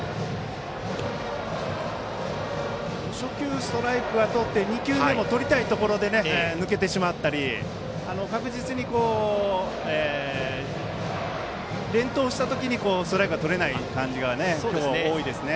初球、ストライクをとって２球目もとりたいところで抜けてしまったり確実に連投した時にストライクがとれない感じが多いですね。